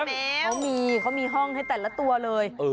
เขามีเขามีห้องให้แต่ละตัวเลย